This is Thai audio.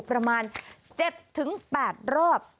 ประมาณ๗๘รอบ